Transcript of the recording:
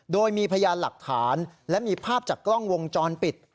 โดยมีพยานหลักฐานและมีภาพจากกล้องวงจรปิด